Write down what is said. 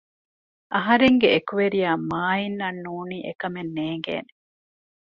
އަހަރެންގެ އެކުވެރިޔާ މާއިން އަށް ނޫނީ އެކަމެއް ނޭނގޭނެ